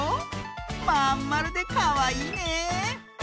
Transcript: まんまるでかわいいね！